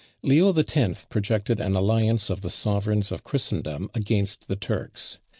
Leo X. projected an alliance of the sovereigns of Christendom against the Turks.